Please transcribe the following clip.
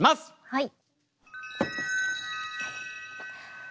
はい。